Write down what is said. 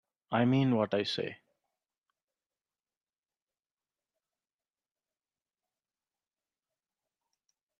I mean what I say.